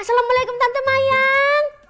assalamualaikum tante mayang